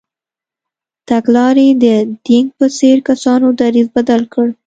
تګلارې د دینګ په څېر کسانو دریځ بدل کړ.